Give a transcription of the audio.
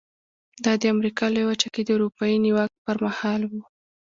دا د امریکا لویه وچه کې د اروپایي نیواک پر مهال و.